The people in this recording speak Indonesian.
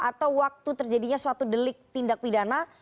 atau waktu terjadinya suatu delik tindak pidana